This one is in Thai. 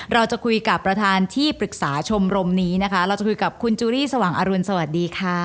เราจะคุยกับประธานที่ปรึกษาชมรมนี้นะคะเราจะคุยกับคุณจูรีสว่างอรุณสวัสดีค่ะ